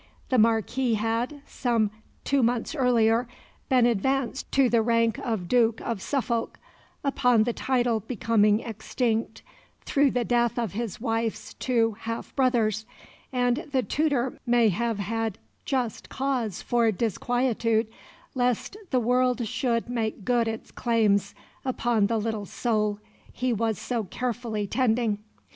The Marquis had, some two months earlier, been advanced to the rank of Duke of Suffolk, upon the title becoming extinct through the death of his wife's two half brothers, and the tutor may have had just cause for disquietude lest the world should make good its claims upon the little soul he was so carefully tending.